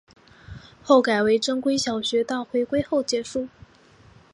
后改为正规小学到回归后结束。